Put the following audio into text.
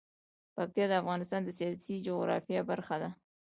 پکتیکا د افغانستان د سیاسي جغرافیه برخه ده.